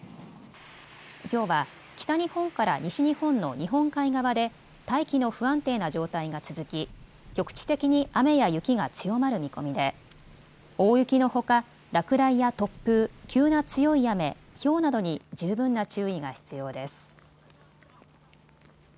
きょうは北日本から西日本の日本海側で大気の不安定な状態が続き局地的に雨や雪が強まる見込みで大雪のほか落雷や突風、急な強い雨、ひょうなどに十分な注意が必要です。